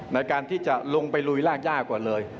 ในการที่จะลงไปลุยรากย่าก่อนเลย